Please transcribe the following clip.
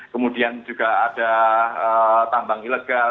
kemudian juga ada tambang ilegal